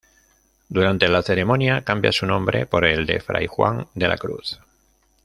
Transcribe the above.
Durante la ceremonia cambia su nombre por el de fray Juan de la Cruz.